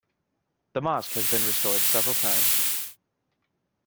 The mosque has been restored several times.